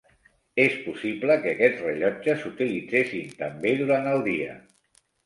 És possible que aquests rellotges s'utilitzessin també durant el dia.